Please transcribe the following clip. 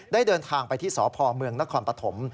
ได้เดินทางไปที่สพมนครปฐม